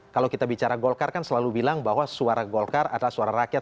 kalau kita bicara golkar kan selalu bilang bahwa suara golkar adalah suara rakyat